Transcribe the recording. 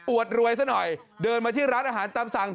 วดรวยซะหน่อยเดินมาที่ร้านอาหารตามสั่ง